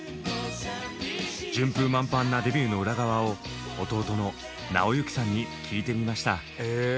順風満帆なデビューの裏側を弟の尚之さんに聞いてみました。